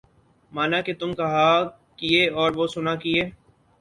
مانا کہ تم کہا کیے اور وہ سنا کیے